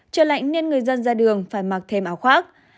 trời lạnh nên người dân ra đường phải mặc thêm áo khoác